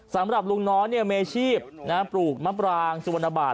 สำหรับลุงน้อยมีอาชีพปลูกมะปรางสุวรรณบาท